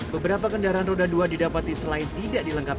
beberapa kendaraan roda dua didapati selain tidak dilengkapi